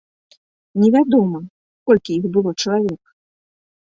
Невядома, колькі іх было чалавек.